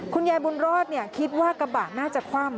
คุณยายบุญรอดคิดว่ากระบะน่าจะคว่ำ